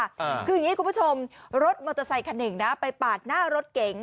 อ่าคืออย่างงี้คุณผู้ชมรถมอเตอร์ไซคันหนึ่งนะไปปาดหน้ารถเก๋ง